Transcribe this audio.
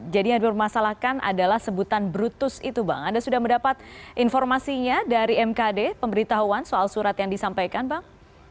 jadi yang dipermasalahkan adalah sebutan brutus itu bang anda sudah mendapat informasinya dari mkd pemberitahuan soal surat yang disampaikan bang